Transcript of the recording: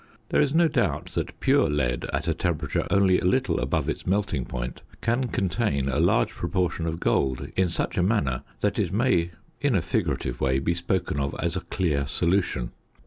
There is no doubt that pure lead at a temperature only a little above its melting point can contain a large proportion of gold in such a manner that it may in a figurative way be spoken of as a clear solution.